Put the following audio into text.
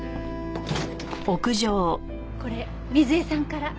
これ水絵さんから。